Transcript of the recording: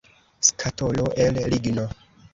Skatolo el ligno.